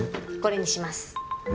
これにします。